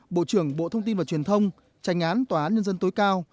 bộ trưởng bộ thông tin và truyền thông tranh án tòa án nhân dân tối cao